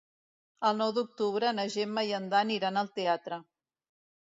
El nou d'octubre na Gemma i en Dan iran al teatre.